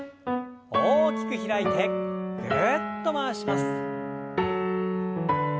大きく開いてぐるっと回します。